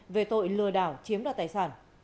về tội lừa đảo chiếm đoạt tài sản